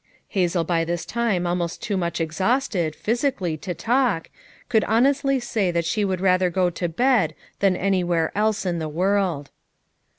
Hazel, by Hub lima almonl too mitcb exhnuHled, phyHieally, to talk, could honently Hay that bIio would rathor go to bed than anywhere cIho in tbo world.